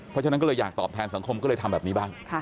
เพราะฉะนั้นก็เลยอยากตอบแทนสังคมก็เลยทำแบบนี้บ้าง